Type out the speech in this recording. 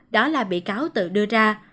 đó là bị cáo tự đưa ra